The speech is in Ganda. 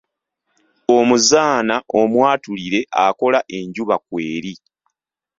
Omuzaana omwatulire akola enjuba kweri.